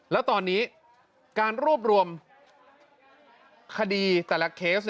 แล้วตอนนี้การรวบรวมคดีแต่ละเคส